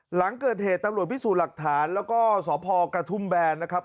หลังเกิดเหตุตำรวจพิสูจน์หลักฐานแล้วก็สพกระทุ่มแบนนะครับ